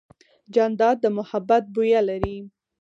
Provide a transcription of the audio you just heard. جانداد د محبت بویه لري.